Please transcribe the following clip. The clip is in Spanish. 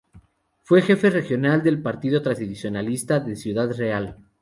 Fue jefe regional del partido tradicionalista de Ciudad Real.